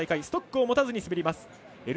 ストックを持たずに滑ります。